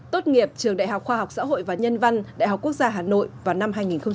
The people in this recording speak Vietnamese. tốt nghiệp trường đại học khoa học xã hội và nhân văn đại học quốc gia hà nội vào năm hai nghìn hai mươi